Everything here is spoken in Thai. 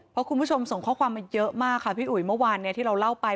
เพราะคุณผู้ชมส่งข้อความมาเยอะมากค่ะพี่อุ๋ยเมื่อวานที่เราเล่าไป